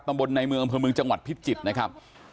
บนในเมืองอำเภอเมืองจังหวัดพิจิตรนะครับ